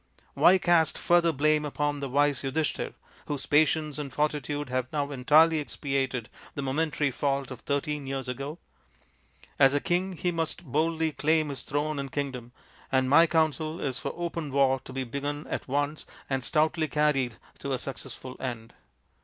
Why cast further blame upon the wise Yudhishthir, whose patience and fortitude have now entirely expiated the momentary fault of thirteen years ago? As a king he must boldly claim his throne and kingdom, and my counsel is for open war to be begun at once and stoutly carried to a successful end.